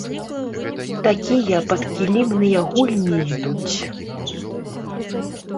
Такія падкілімныя гульні ідуць.